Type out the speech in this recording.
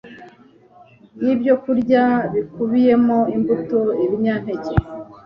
yibyokurya bikubiyemo imbuto ibinyampeke